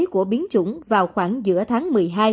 của biến chủng vào khoảng giữa tháng một mươi hai